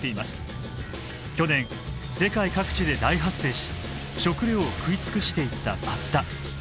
去年世界各地で大発生し食料を食い尽くしていったバッタ。